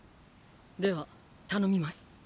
では頼みます。